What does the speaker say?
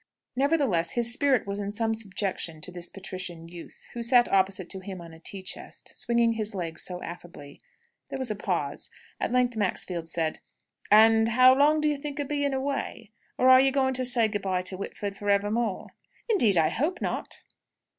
Nevertheless, his spirit was in some subjection to this patrician youth, who sat opposite to him on a tea chest, swinging his legs so affably. There was a pause. At length Maxfield said, "And how long do you think o' being away? Or are you going to say good bye to Whitford for evermore?" "Indeed I hope not!"